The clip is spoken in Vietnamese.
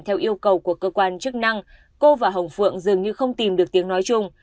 theo yêu cầu của cơ quan chức năng cô và hồng phượng dường như không tìm được tiếng nói chung